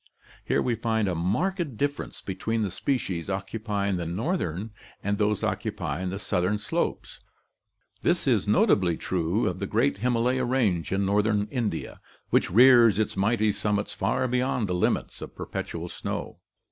Here we find a marked difference between the species occupying the northern So ORGANIC EVOLUTION and those occupying the southern slopes. This is notably true of the great Himalaya Range in northern India, which rears its mighty summits far beyond the limits of perpetual snow.